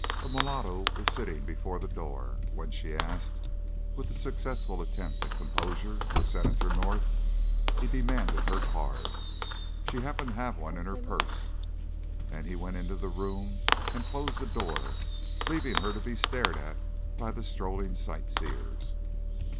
A mulatto was sitting before the door. When she asked, with a successful attempt at composure, for Senator North, he demanded her card. She happened to have one in her purse, and he went into the room and closed the door, leaving her to be stared at by the strolling sight seers.